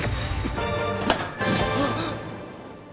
あっ！